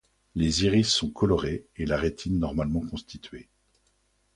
Les iris sont colorés et la rétine normalement constituée.